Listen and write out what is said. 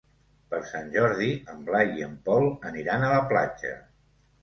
Per Sant Jordi en Blai i en Pol aniran a la platja.